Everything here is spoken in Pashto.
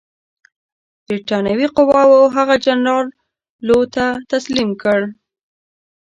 برټانوي قواوو هغه جنرال لو ته تسلیم کړ.